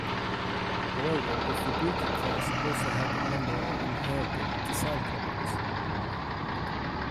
However, the "Fubuki" class also had a number of inherent design problems.